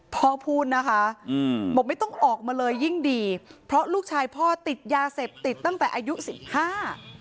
พ่อพูดนะคะอืมบอกไม่ต้องออกมาเลยยิ่งดีเพราะลูกชายพ่อติดยาเสพติดตั้งแต่อายุสิบห้า